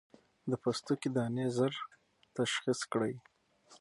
د پوستکي دانې ژر تشخيص کړئ.